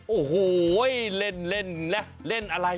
โอ้โหเหอเล่นแบบนี้